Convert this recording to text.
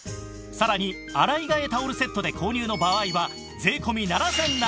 さらに洗い替えタオルセットで購入の場合は税込７７００円